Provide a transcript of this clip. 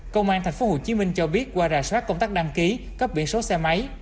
công an tp hcm cho biết qua rà soát công tác đăng ký cấp biển số xe máy